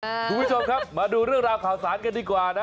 คุณผู้ชมครับมาดูเรื่องราวข่าวสารกันดีกว่านะ